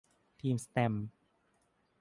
ทีมแสตมป์